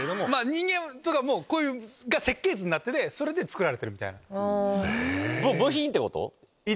人間とかもこれが設計図になっててそれでつくられてるみたいな。